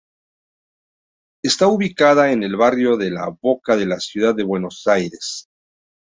Está ubicada en el barrio de La Boca de la ciudad de Buenos Aires.